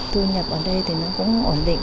thu nhập ở đây thì nó cũng ổn định